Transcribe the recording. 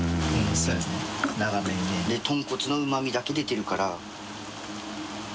で豚骨のうま味だけ出てるから。